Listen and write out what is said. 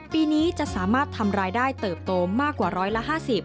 ปีนี้จะสามารถทำรายได้เติบโตมากกว่าร้อยละ๕๐